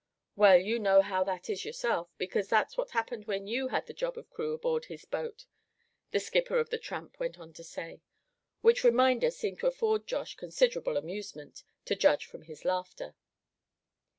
"Well, you know how that is yourself, because that's what happened when you had the job of crew aboard his boat," the skipper of the Tramp went on to say; which reminder seemed to afford Josh considerable amusement, to judge from his laughter.